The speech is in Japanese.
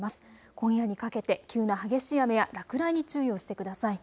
今夜にかけて急な激しい雨や落雷に注意をしてください。